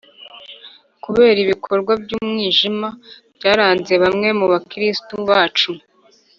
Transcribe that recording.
kubera ibikorwa by’umwijima byaranze bamwe mubakristu bacu.